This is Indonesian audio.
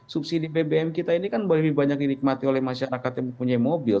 subsidi bbm kita ini kan lebih banyak dinikmati oleh masyarakat yang mempunyai mobil